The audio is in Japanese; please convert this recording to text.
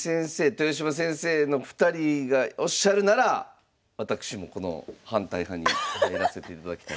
豊島先生の２人がおっしゃるなら私もこの反対派に入らせていただきたいと思います。